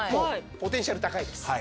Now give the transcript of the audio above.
ポテンシャル高いです。